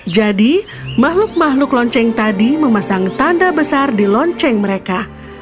jadi makhluk makhluk lonceng tadi memasang tanda besar di lonceng mereka